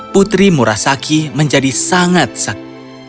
putri murasaki menjadi sangat sakit